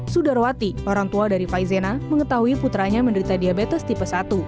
sudarwati orang tua dari faizena mengetahui putranya menderita diabetes tipe satu